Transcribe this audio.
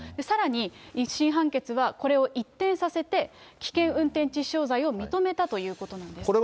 さらに、１審判決はこれを一転させて、危険運転致死傷罪を認めたということなんです。